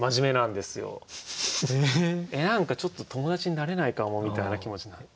「えっ何かちょっと友達になれないかも」みたいな気持ちになる。